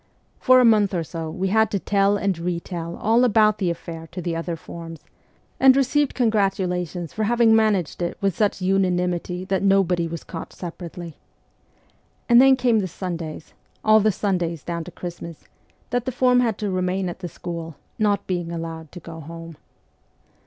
For a month or so we had to tell and retell all about the affair to the other forms, and received con gratulations for having managed it with such unanimity that nobody was caught separately. And then came the Sundays all the Sundays down to Christmas that the form had to remain at the school, not being allowed to go home.